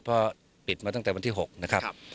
เพราะปิดมาตั้งแต่วันที่๖นะครับ